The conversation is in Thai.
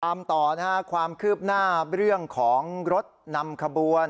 ตามต่อนะฮะความคืบหน้าเรื่องของรถนำขบวน